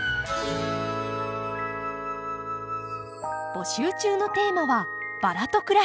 募集中のテーマは「バラと暮らしてます！」。